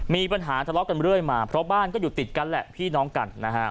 มีปัญหาทะเลาะกันเรื่อยมาเพราะบ้านก็อยู่ติดกันแหละพี่น้องกันนะฮะ